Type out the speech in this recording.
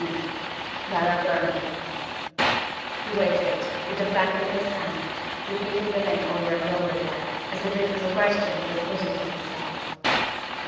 "C. B. Clara Burnham." He waited, with the plank in his hand; repeating the name over and over again, as if it was a question he was putting to himself.